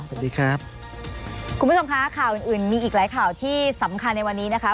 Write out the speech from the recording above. สวัสดีครับคุณผู้ชมคะข่าวอื่นอื่นมีอีกหลายข่าวที่สำคัญในวันนี้นะคะ